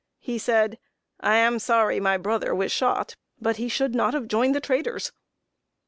He said: "I am sorry my brother was shot; but he should not have joined the traitors!"